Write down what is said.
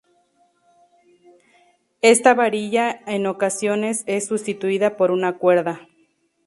Esta varilla, en ocasiones, es sustituida por una cuerda.